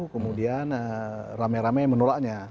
kemudian rame rame menolaknya